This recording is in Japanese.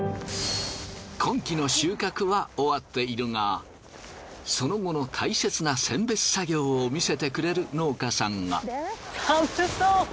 今期の収穫は終わっているがその後の大切な選別作業を見せてくれる農家さんが。